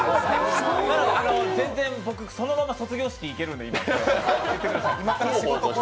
なので、全然、僕、そのまま卒業式行けるので、言ってください。